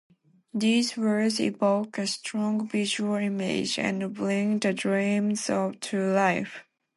These words evoke a strong visual image and bring the dreams to life.